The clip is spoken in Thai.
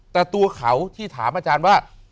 แต่ตัวเขาที่ถามอาจารย์ว่า